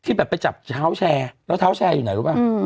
แบบไปจับเท้าแชร์แล้วเท้าแชร์อยู่ไหนรู้ป่ะ